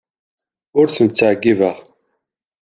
Ur tent-ttɛeyyibeɣ.